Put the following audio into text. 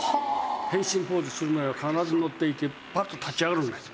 変身ポーズする前は必ず乗っていてパッと立ち上がるんです。